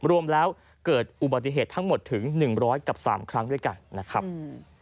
รวมแล้วเกิดอุบัติเหตุทั้งหมดถึง๑๐๐กับ๓ครั้งด้วยกันนะครับ